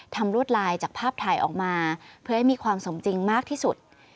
ลวดลายจากภาพถ่ายออกมาเพื่อให้มีความสมจริงมากที่สุด